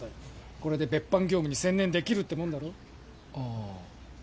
これで別班業務に専念できるってもんだろああ